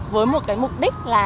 với một cái mục đích là